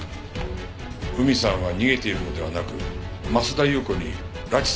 海さんは逃げているのではなく増田裕子に拉致されている可能性があります。